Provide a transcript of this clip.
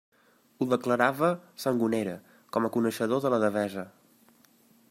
Ho declarava Sangonera, com a coneixedor de la Devesa.